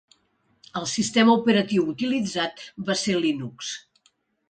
El sistema operatiu utilitzat va ser Linux.